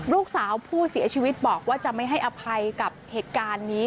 ลูกสาวผู้เสียชีวิตบอกว่าจะไม่ให้อภัยกับเหตุการณ์นี้